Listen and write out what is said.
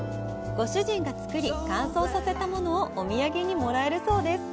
ご主人が作り、乾燥させたものをお土産にもらえるそうです。